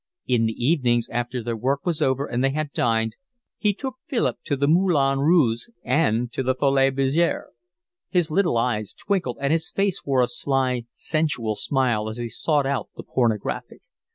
In the evenings, after their work was over and they had dined, he took Philip to the Moulin Rouge and the Folies Bergeres. His little eyes twinkled and his face wore a sly, sensual smile as he sought out the pornographic.